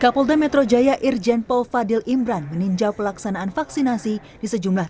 kapolda metro jaya irjen paul fadil imran meninjau pelaksanaan vaksinasi di sejumlah